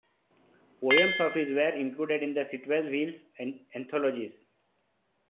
Poems of his were included in the Sitwell "Wheels" anthologies.